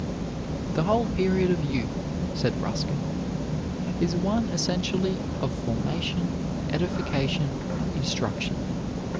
"The whole period of youth," said Ruskin, "is one essentially of formation, edification, instruction.